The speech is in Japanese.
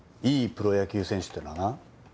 プロ野球選手というのはな